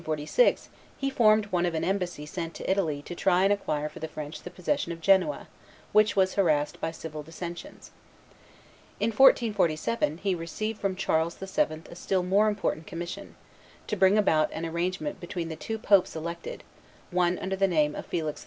In 1446 he formed one of an embassy sent to Italy to try and acquire for France the possession of Genoa, which was harassed by civil dissensions. In 1447 he received from Charles VII. a still more important commission, to bring about an arrangement between the two popes elected, one under the name of Felix V.